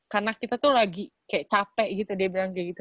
karena kita tuh lagi kayak capek gitu dia bilang kayak gitu